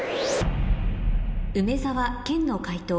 梅沢・研の解答